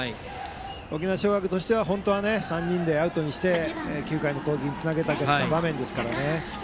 沖縄尚学としては、本当は３人でアウトにして９回の攻撃につなげたかった場面ですから。